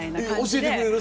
教えてくれる？